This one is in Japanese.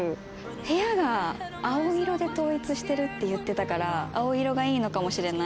部屋が青色で統一してるって言ってたから青色がいいのかもしれない。